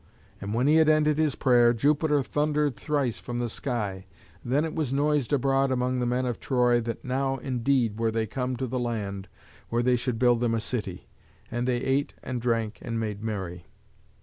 And when he had ended his prayer, Jupiter thundered thrice from the sky. Then was it noised abroad among the men of Troy that now indeed were they come to the land where they should build them a city; and they ate and drank and made merry.